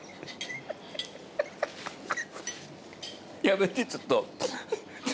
やめてちょっと。